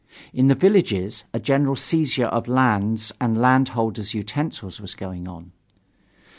In the villages, a general seizure of lands and landholders' utensils was going on.